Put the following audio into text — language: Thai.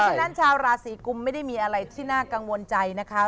ฉะนั้นชาวราศีกุมไม่ได้มีอะไรที่น่ากังวลใจนะคะ